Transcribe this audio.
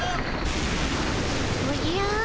おじゃ？